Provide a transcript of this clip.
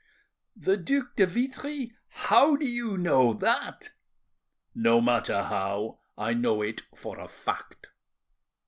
"The Duc de Vitry!—How do you know that?" "No matter how, I know it for a fact.